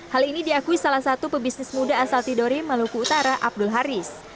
hal ini diakui salah satu pebisnis muda asal tidori maluku utara abdul haris